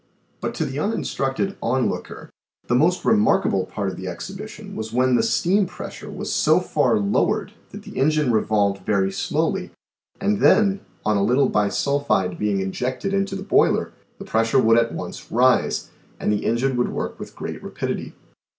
But to the uninstructed onlooker, the most remarkable part of the exhibition was when the steam pressure was so 68 THE SEVEN FOLLIES OF SCIENCE far lowered that the engine revolved very slowly, and then, on a little bisulphide being injected into the boiler, the pressure would at once rise, and the engine would work with great rapidity.